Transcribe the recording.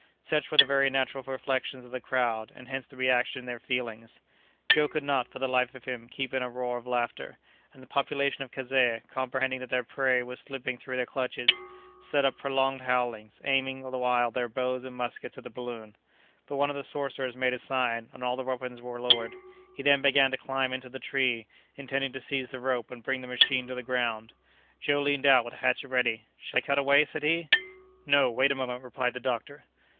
Such were the very natural reflections of the crowd, and hence the reaction in their feelings. Joe could not, for the life of him, keep in a roar of laughter; and the population of Kazeh, comprehending that their prey was slipping through their clutches, set up prolonged howlings, aiming, the while, their bows and muskets at the balloon. But one of the sorcerers made a sign, and all the weapons were lowered. He then began to climb into the tree, intending to seize the rope and bring the machine to the ground. Joe leaned out with a hatchet ready. "Shall I cut away?" said he. "No; wait a moment," replied the doctor.